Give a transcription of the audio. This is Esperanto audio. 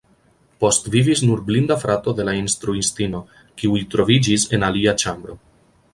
Postvivis nur blinda frato de la instruistino, kiu troviĝis en alia ĉambro.